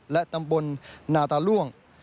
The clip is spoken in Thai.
และตำบลนาตาล่วง